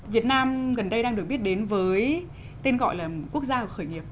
việt nam gần đây đang được biết đến với tên gọi là quốc gia khởi nghiệp